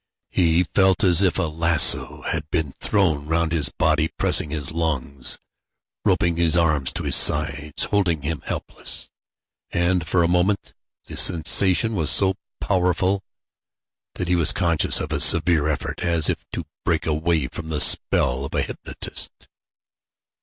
He felt as if a lasso had been thrown round his body, pressing his lungs, roping his arms to his sides, holding him helpless; and for a moment the sensation was so powerful that he was conscious of a severe effort, as if to break away from the spell of a hypnotist.